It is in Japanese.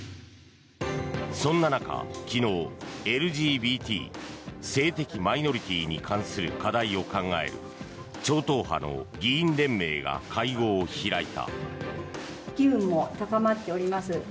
そんな中、昨日ＬＧＢＴ・性的マイノリティーに関する課題を考える超党派の議員連盟が会合を開いた。